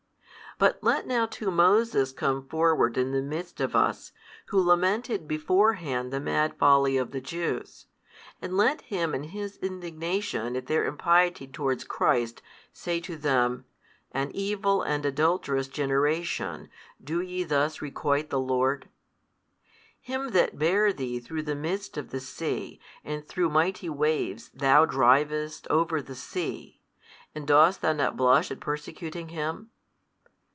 But let now too Moses come forward in the midst of us, who lamented beforehand the mad folly of the Jews, and let him in his indignation at their impiety towards Christ say to them, An evil and adulterous generation, do ye thus requite the Lord? Him that bare thee through the midst of the sea and through mighty waves thou drivest over the sea, and dost thou not blush at persecuting Him?